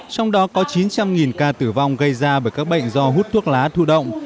trong đó có chín trăm linh ca tử vong gây ra bởi các bệnh do hút thuốc lá thu động